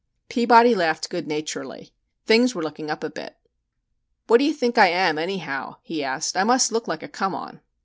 Peabody laughed good naturedly. Things were looking up a bit. "What do you think I am, anyhow?" he asked. "I must look like a 'come on.'"